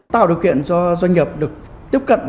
tạo điều kiện cho doanh nghiệp được tiếp cận